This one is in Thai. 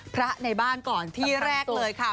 พระในบ้านก่อนที่แรกเลยค่ะ